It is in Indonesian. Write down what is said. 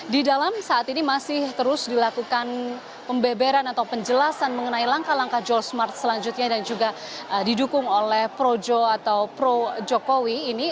di dalam saat ini masih terus dilakukan pembeberan atau penjelasan mengenai langkah langkah jol smart selanjutnya dan juga didukung oleh projo atau pro jokowi ini